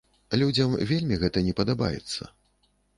Людзям вельмі гэта не падабаецца.